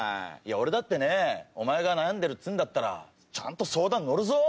俺だってねお前が悩んでるんならちゃんと相談乗るぞ。